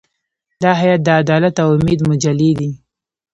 دا هیئت د عدالت او امید مجلې دی.